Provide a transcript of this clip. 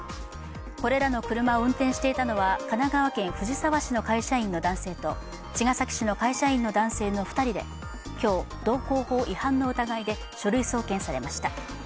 これらの車を運転していたのは神奈川県藤沢市の会社員の男性と茅ヶ崎市の会社員の男性の２人で今日、道交法違反の疑いで書類送検されました。